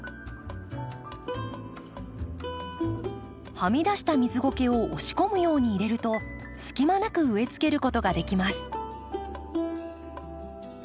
はみ出した水ゴケを押し込むように入れるとすき間なく植えつけることができます。